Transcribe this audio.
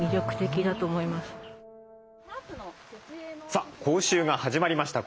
さあ講習が始まりました。